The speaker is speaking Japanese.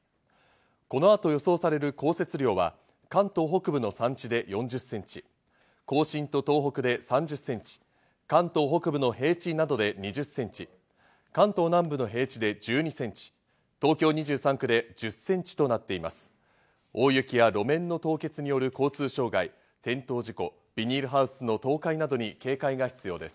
このあと予想される降雪量は関東北部の山地で４０センチ、甲信と東北で３０センチ、関東北部の平地などで２０センチ、関東南部の平地で１２センチ、東京２３区で１０センチとなっています。